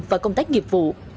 và công tác nghiệp vụ